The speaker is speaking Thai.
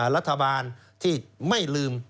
รัฐบาลที่ไม่ลืม